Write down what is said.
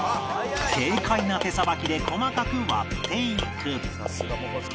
軽快な手さばきで細かく割っていく